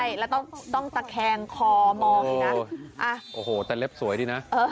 ใช่แล้วต้องตะแคงคอมองเลยนะโอ้โหแต่เล็บสวยดีนะ